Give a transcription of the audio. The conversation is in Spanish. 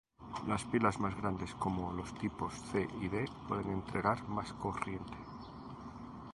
Las pilas más grandes, como los tipos C y D, pueden entregar más corriente.